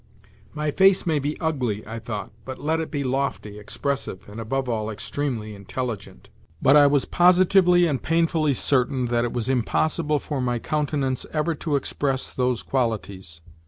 " My face may be ugly," I thought, " but let it be lofty, expressive, and, above all, extremely intelligent ." But I was positively and pain fully certain that it was impossible for my countenance ever to express those qualities.